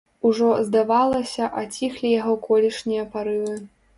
Ужо, здавалася, аціхлі яго колішнія парывы.